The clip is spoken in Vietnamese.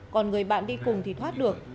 còn người bạn đi cùng thì thoát được